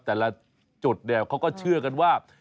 แต่ละจุดเขาก็เชื่อกันว่า